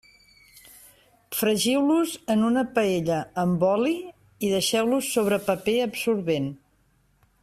Fregiu-los en una paella amb oli i deixeu-los sobre paper absorbent.